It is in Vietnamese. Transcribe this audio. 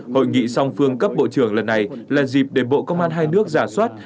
hội nghị song phương cấp bộ trưởng lần này là dịp để bộ công an hai nước giả soát